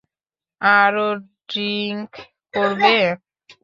আরো ড্রিঙ্ক করবে?